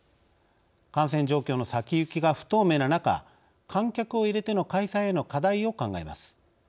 感染状況の先行きが不透明な中観客を入れての開催への課題を考えます。